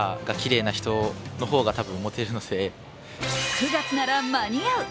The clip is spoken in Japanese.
９月なら間に合う。